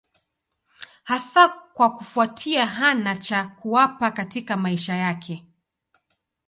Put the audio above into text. Hasa kwa kufuatia hana cha kuwapa katika maisha yake.